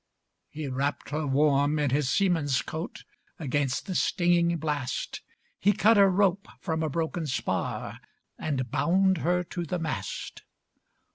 He wrapped her warm in his seaman's coat Against the stinging blast; He cut a rope from a broken spar, And bound her to the mast.